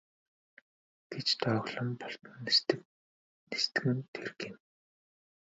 гэж дооглон бултан нисдэг нь тэр гэнэ.